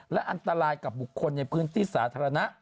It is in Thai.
และอันตรายกับบุคคลในพื้นที่สาธารณะ